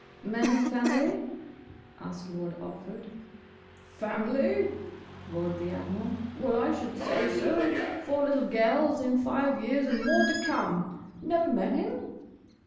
"Man of family?" asked Lord Otford. "Family?" roared the Admiral. "Well, I should say so. Four little gels in five years, and more to come! Never met him?"